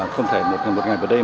không thể một ngày vào đây